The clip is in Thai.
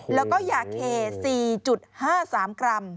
แล้วก็ยาเค๔๕๓กรัม